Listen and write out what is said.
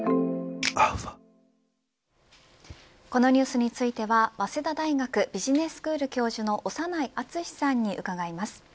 このニュースについては早稲田大学ビジネススクール教授の長内厚さんに伺います。